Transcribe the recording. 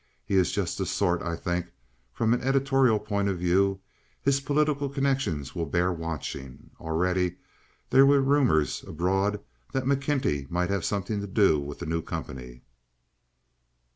He is just the sort. I think, from an editorial point of view, his political connections will bear watching." Already there were rumors abroad that McKenty might have something to do with the new company.